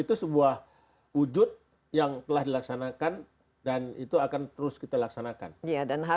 itu sebuah wujud yang telah dilaksanakan dan itu akan terus kita laksanakan